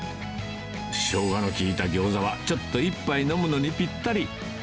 しょうがの効いたギョーザは、ちょっと一杯飲むのにぴったり。